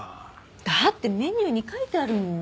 だってメニューに書いてあるもん！